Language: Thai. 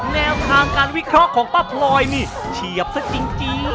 แนวทางการวิเคราะห์ของป้าพลอยนี่เฉียบซะจริง